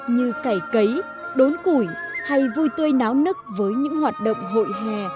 như cải cấy đốn củi hay vui tươi náo nức với những hoạt động hội hè